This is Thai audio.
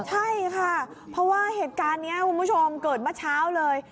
ใช่ค่ะเพราะว่าเหตุการณ์นี้คุณผู้ชมเกิดเมื่อเช้าเลย